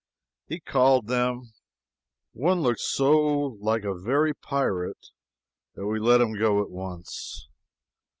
He called them. One looked so like a very pirate that we let him go at once.